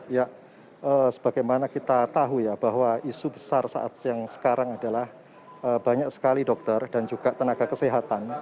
ya sebagaimana kita tahu ya bahwa isu besar saat yang sekarang adalah banyak sekali dokter dan juga tenaga kesehatan